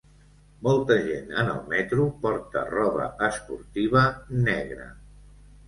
Molta gent en el metro porta roba esportiva negra.